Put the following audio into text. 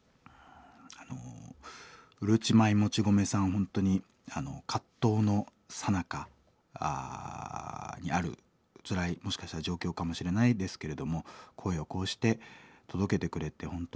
本当に葛藤のさなかにあるつらいもしかしたら状況かもしれないですけれども声をこうして届けてくれて本当にありがとうございます。